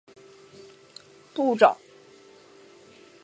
瓦德成为不管部长。